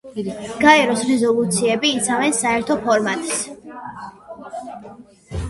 გაეროს რეზოლუციები იცავენ საერთო ფორმატს.